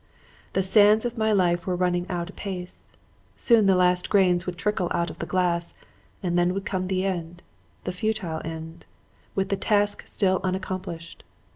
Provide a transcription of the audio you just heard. The sands of my life were running out apace. Soon the last grains would trickle out of the glass; and then would come the end the futile end, with the task still unaccomplished.